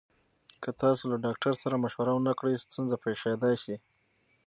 که تاسو له ډاکټر سره مشوره ونکړئ، ستونزه پېښېدای شي.